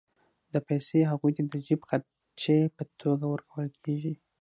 دا پیسې هغوی ته د جېب خرچۍ په توګه ورکول کېږي